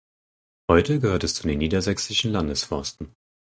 Heute gehört es zu den Niedersächsischen Landesforsten.